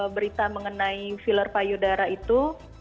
berita mengenai filler payudara itu